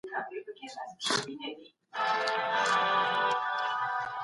ایا ځايي کروندګر ممیز پروسس کوي؟